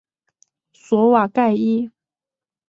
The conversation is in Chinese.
索瓦盖伊。